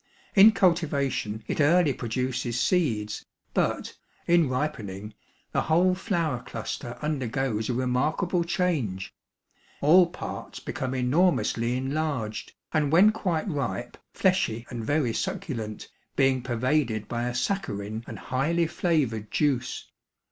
In cultivation it early produces seeds but, in ripening, the whole flower cluster undergoes a remarkable change; all parts become enormously enlarged, and when quite ripe, fleshy and very succulent, being pervaded by a saccharine and highly flavored juice.